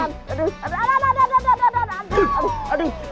aduh aduh aduh aduh